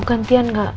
mau gantian ga